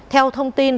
theo thông tin